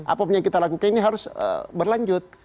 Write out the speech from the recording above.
apapun yang kita lakukan ini harus berlanjut